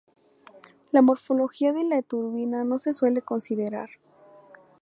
La morfología de la turbina no se suele considerar.